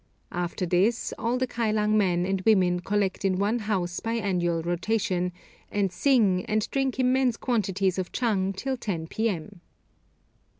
After this, all the Kylang men and women collect in one house by annual rotation, and sing and drink immense quantities of chang till 10 p.m.